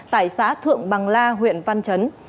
tại xã thượng bằng la huyện văn chấn